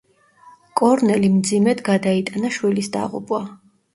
კორნელიმ მძიმედ გადაიტანა შვილის დაღუპვა.